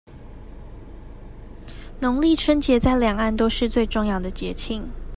農曆春節在兩岸都是最重要的節慶